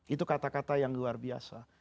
itu kata kata yang luar biasa